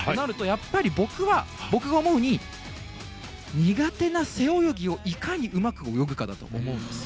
やっぱり僕が思うに苦手な背泳ぎをいかにうまく泳ぐかだと思います。